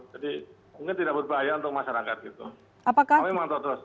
jadi mungkin tidak berbahaya untuk masyarakat gitu